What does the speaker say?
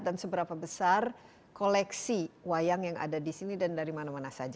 dan seberapa besar koleksi wayang yang ada di sini dan dari mana mana saja